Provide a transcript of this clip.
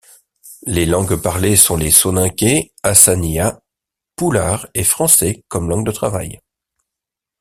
Les langues parlées sont les Soninkés, Hassaniya, Poular et Français comme langue de travail.